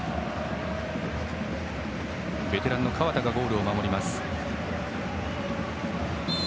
ベテランの河田がゴールを守ります。